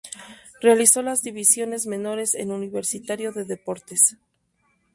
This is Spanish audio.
Realizó las divisiones menores en Universitario de Deportes.